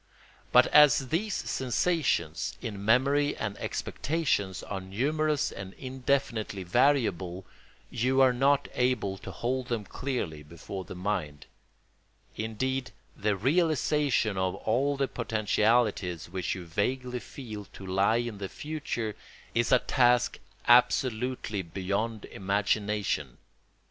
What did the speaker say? But as these sensations, in memory and expectation, are numerous and indefinitely variable, you are not able to hold them clearly before the mind; indeed, the realisation of all the potentialities which you vaguely feel to lie in the future is a task absolutely beyond imagination.